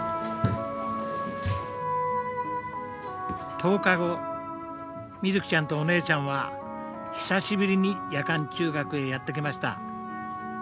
１０日後みずきちゃんとお姉ちゃんは久しぶりに夜間中学へやって来ました。